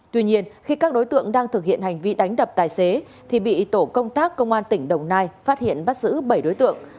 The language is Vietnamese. tuy nhiên khi các đối tượng đang thực hiện hành vi đánh đập tài xế thì bị tổ công tác công an tỉnh đồng nai phát hiện bắt giữ bảy đối tượng